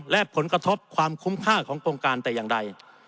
และผลกระทบความคุ้มค่าของโครงการแต่อย่างใด